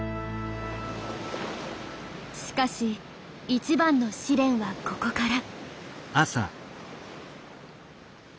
しかし一番の試練はここから。